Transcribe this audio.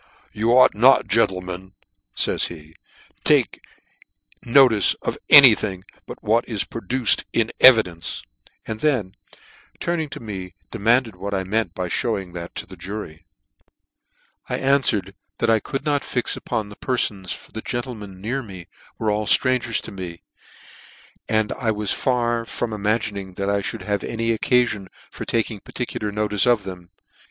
You ought not, gentlemen, fays he, * l to take notice of any thing, but what is pro fc duced in evidence. And, then y turning to " me, demanded what I meant by fhewing that " to the jury. I an'werd, that I could not fix upon the perfons, for the gentlemen near me ' were all ftrangcrs to n:e, and I was far from 'i ma HAWKINS and SIMPSON for Robbery. 293 " imagining I fhould have any fuch occafion for *' taking particular notice of them.